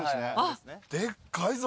でっかいぞ。